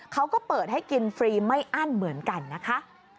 เขาก็เปิดให้กินฟรีไม่อั้นเหมือนกันนะคะ